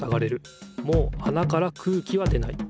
もうあなから空気は出ない。